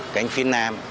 cánh phía nam